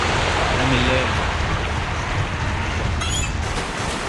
L’âme est l’œil, il est l’astre. Elle ne voit que lui.